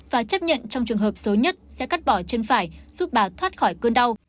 và chấp nhận trong trường hợp xấu nhất sẽ cắt bỏ chân phải giúp bà thoát khỏi cơn đau